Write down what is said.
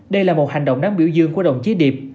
đây là một hành động đáng biểu dương của đồng chí điệp